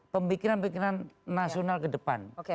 pemikiran pemikiran nasional kedepan